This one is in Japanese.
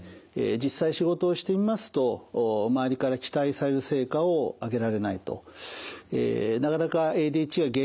実際仕事をしてみますと周りから期待される成果を上げられないと。